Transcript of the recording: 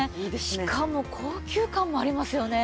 しかも高級感もありますよね。